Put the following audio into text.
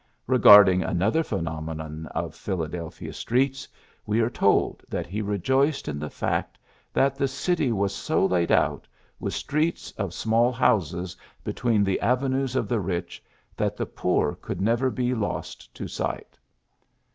Regarding another phenomenon of Philadelphia streets, we are told that he rejoiced in the fact that the city was so laid out, with streets of small houses 38 PHILLIPS BEOOKS between the avenues of the rich, that the poor could never be lost to sight.